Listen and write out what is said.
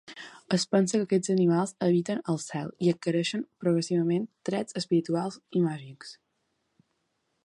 Es pensa que aquests animals habiten al cel i adquireixen progressivament trets espirituals i màgics.